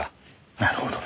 なるほどね。